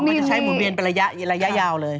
มันจะใช้หมุนเวียนไประยะยาวเลย